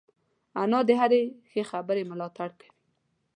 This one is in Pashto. انا د هرې ښې خبرې ملاتړ کوي